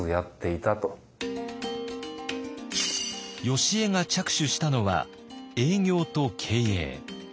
よしえが着手したのは営業と経営。